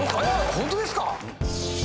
本当ですか？